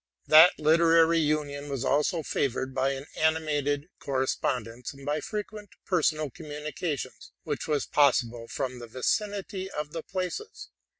That literary union was also favored by an animated cor respondence, and by frequent personal communication, which was possible from the vicinity of the places.